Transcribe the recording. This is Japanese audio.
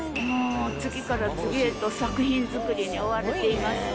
次から次へと作品作りに追われています。